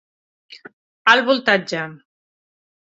Alt voltatge!